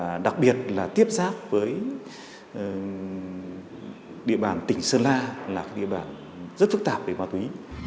và đặc biệt là tiếp xác với địa bàn tỉnh sơn la là địa bàn rất phức tạp về ma túy